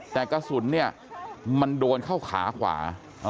แต่กระสุนเนี่ยมันโดนเข้าขาขวา